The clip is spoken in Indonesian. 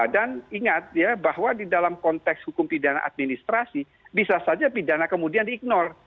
dan ingat ya bahwa di dalam konteks hukum pidana administrasi bisa saja pidana kemudian di ignore